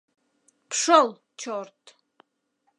Пшол, чёрт!